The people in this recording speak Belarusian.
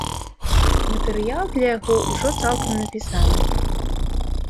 Матэрыял для яго ўжо цалкам напісаны.